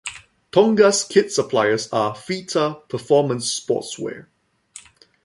Tonga's kit suppliers are Fi-Ta Performance sportswear.